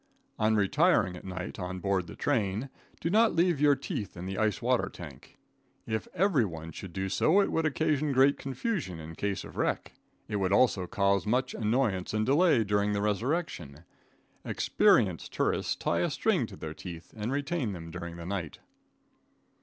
On retiring at night on board the train, do not leave your teeth in the ice water tank. If every one should do so, it would occasion great confusion in case of wreck. It would also cause much annoyance and delay during the resurrection. Experienced tourists tie a string to their teeth and retain them during the night.